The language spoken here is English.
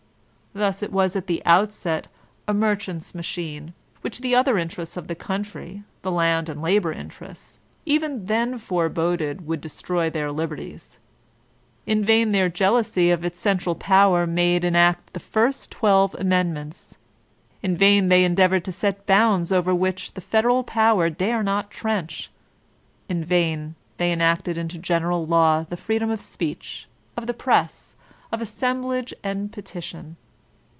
Thus it was at the outset a merchant's machine, which the other interests of the country, the land and labor interests, even then foreboded would destroy their liberties. In vain their jealousy of its central power made them enact the first twelve amend IJO yCCTAIXINB DB ClEYKB ments. In vain they endeavored to set bounds over whsdi the federal power dare not trench. In vain they enacted into general law the freedom of speech, of the prcss» of assemblage and petition.